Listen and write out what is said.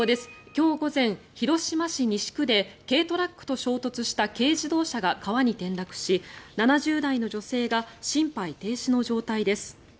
今日午前、広島市西区で軽トラックと衝突した軽自動車が川に転落し７０代の女性が心肺停止の状態です。